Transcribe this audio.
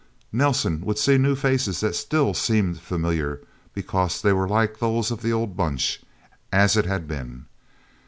Nelsen would see new faces that still seemed familiar, because they were like those of the old Bunch, as it had been.